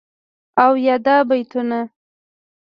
او یادا بیتونه..